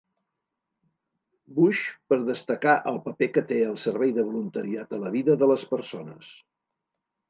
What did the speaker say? Bush per destacar el paper que té el servei de voluntariat a la vida de les persones.